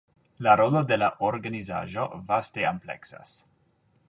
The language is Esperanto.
La rolo de la organizaĵo vaste ampleksas.